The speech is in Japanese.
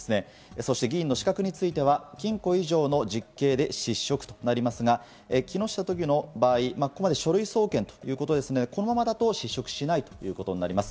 そして議員の資格については禁錮以上の実刑で失職となりますが、木下都議の場合、書類送検ということで、このままだと失職しないということになります。